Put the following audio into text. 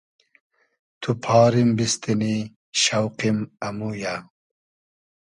تو پاریم بیستینی شۆقیم امویۂ